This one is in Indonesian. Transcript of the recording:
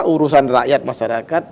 urusan rakyat masyarakat